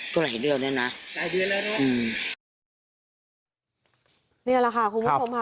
ก็หลายเดือนแล้วนะ